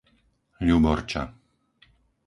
Ľuborča